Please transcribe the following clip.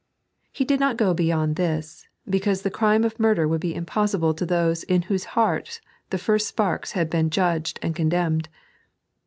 He did not go beyond this, because the crime of murder would be impossible to thoee in whose hearts the first sparks had been judged and condemned.